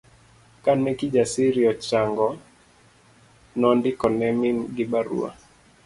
Kane Kijasiri ochang'o, nondiko ne min gi barua